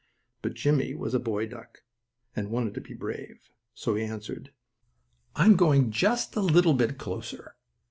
But Jimmie was a boy duck, and wanted to be brave, so he answered: "I'm going just a little bit closer."